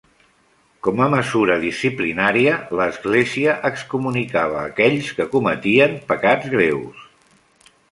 Com a mesura disciplinària, l'església excomunicava aquells que cometien pecats greus.